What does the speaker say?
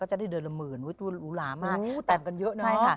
ก็จะได้เดินละหมื่นอุลามากอู้วแต่กันเยอะเนอะใช่ค่ะ